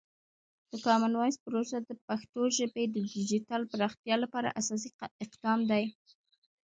د کامن وایس پروژه د پښتو ژبې د ډیجیټل پراختیا لپاره اساسي اقدام دی.